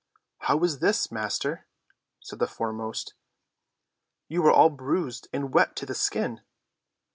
"How is this, master?" said the foremost. "You are all bruised and wet to the skin."